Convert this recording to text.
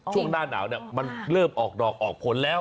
ช่วงหน้าหนาวมันเริ่มออกดอกออกผลแล้ว